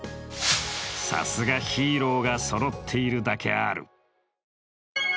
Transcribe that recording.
さすがヒーローがそろっているだけある。